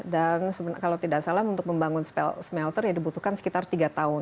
dan kalau tidak salah untuk membangun smelter ya dibutuhkan sekitar dua tahun